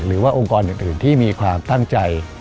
หรือว่าองค์กรอื่นที่มีความตั้งใจ